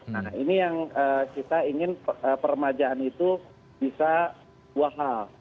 nah ini yang kita ingin peremajaan itu bisa dua hal